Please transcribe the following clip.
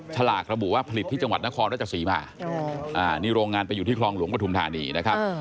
ฉลากระบุว่าผลิตที่จังหวัดนครราชสีมานี่โรงงานไปอยู่ที่คลองหลวงปฐุมธานีนะครับ